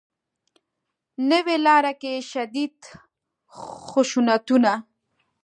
نوې لاره کې شدید خشونتونه